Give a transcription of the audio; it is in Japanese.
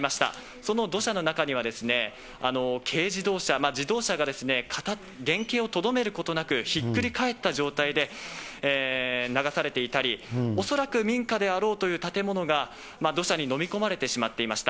その土砂の中には、軽自動車、自動車がですね、原形をとどめることなく、ひっくり返った状態で流されていたり、恐らく民家であろうという建物が、土砂に飲み込まれてしまっていました。